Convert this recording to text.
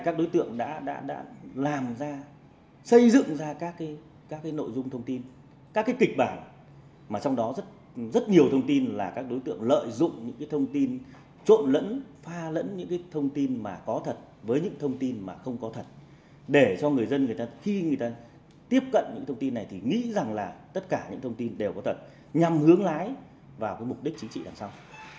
các đối tượng đã làm ra xây dựng ra các cái nội dung thông tin các cái kịch bản mà trong đó rất nhiều thông tin là các đối tượng lợi dụng những cái thông tin trộn lẫn pha lẫn những cái thông tin mà có thật với những thông tin mà không có thật để cho người dân người ta khi người ta tiếp cận những thông tin này thì nghĩ rằng là tất cả những thông tin đều có thật nhằm hướng lái vào cái mục đích chính trị đằng sau